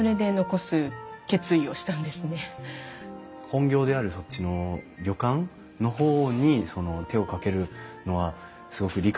本業であるそっちの旅館の方に手を掛けるのはすごく理解できるんですよ。